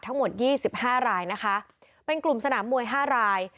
ทั้งหมดยี่สิบห้ารายนะคะเป็นกลุ่มสนามมวยห้าราย